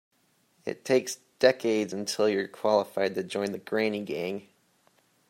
It takes decades until you're qualified to join the granny gang.